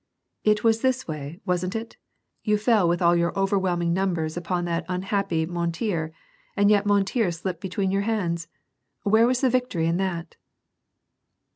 '< It was this way, wasn't it ? You fell with all your overwhelming numbers upon that unhappy Mor tier, and yet Mortier slipped between your hands ? Where was the victory in that